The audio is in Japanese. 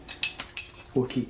大きい？